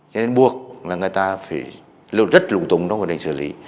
cho nên buộc là người ta phải rất lùng tùng trong quy trình xử lý